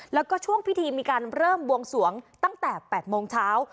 แล้วก็ช่วงพิธีมีการเริ่มบวงสวงตั้งแต่๘โมงเช้า